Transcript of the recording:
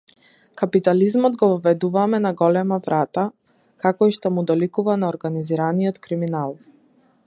Капитализмот го воведуваме на голема врата, како и што му доликува на организираниот криминал.